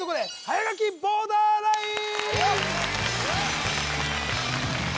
早書きボーダーライン